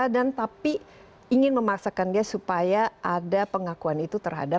dan tapi ingin memaksakan dia supaya ada pengakuan itu terhadap